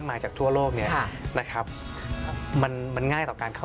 คุณผู้ชมไม่เจนเลยค่ะถ้าลูกคุณออกมาได้มั้ยคะ